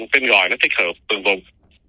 tên gọi nó thích hợp tương vùng